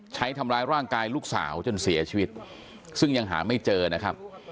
ใช้ทำร้ายร่างกายลูกสาวจนเสียชีวิตซึ่งยังหาไม่เจอนะครับ